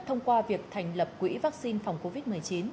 thông qua việc thành lập quỹ vaccine phòng covid một mươi chín